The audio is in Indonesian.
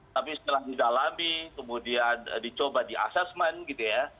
tapi setelah didalami kemudian dicoba di assessment